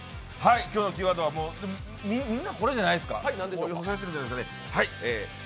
今日のキーワードはみんなこれじゃないですか。